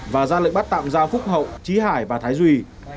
và ra lệnh bắt tạm ra phúc hậu trí hải và thái duy